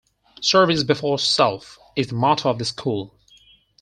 "Service Before Self" is the motto of the school.